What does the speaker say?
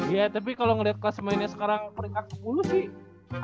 ya tapi kalau ngeliat kelas mainnya sekarang peringkat sepuluh sih